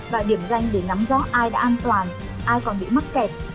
và điểm danh để ngắm gió ai đã an toàn ai còn bị mắc kẹt